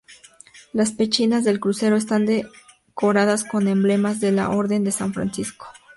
Las pechinas del crucero están decoradas con emblemas de la Orden de San Francisco.